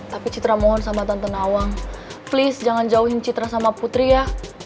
tapi citra mohon sama tante nawang please jangan jauhin citra sama putri ya